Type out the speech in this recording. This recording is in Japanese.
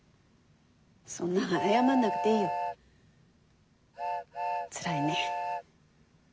そんな謝らなくていいよ。つらいね。